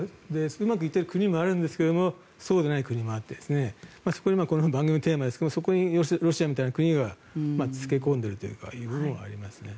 うまくいっている国もあるんですがそうでない国もあってそこに、番組のテーマですがロシアみたいな国が付け込んでいるという部分はありますね。